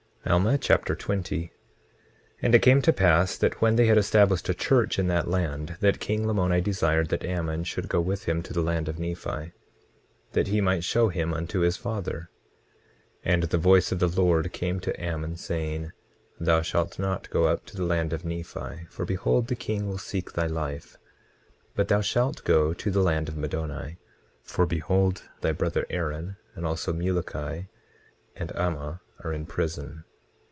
Alma Chapter 20 20:1 And it came to pass that when they had established a church in that land, that king Lamoni desired that Ammon should go with him to the land of Nephi, that he might show him unto his father. 20:2 And the voice of the Lord came to Ammon saying: Thou shalt not go up to the land of Nephi, for behold, the king will seek thy life; but thou shalt go to the land of Middoni; for behold, thy brother Aaron, and also Muloki and Ammah are in prison.